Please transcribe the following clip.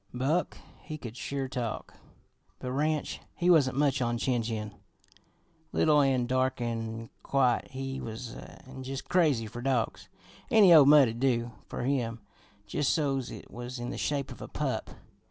"Buck, he could sure talk, but Ranch, he wasn't much on chin chin. Little an' dark an' quiet he was, an' jus' crazy fer dogs. Any old mutt'd do fer him jus' so's it was in the shape of a pup.